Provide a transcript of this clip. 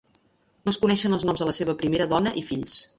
No es coneixen els noms de la seva primera dona i fills.